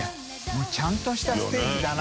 發ちゃんとしたステーキだな。